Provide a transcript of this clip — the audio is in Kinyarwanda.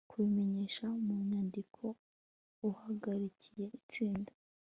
kubimenyesha mu nyandiko uhagarariye itsinda